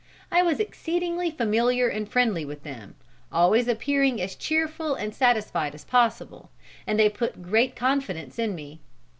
I was exceedingly familiar and friendly with them, always appearing as cheerful and satisfied as possible, and they put great confidence in me.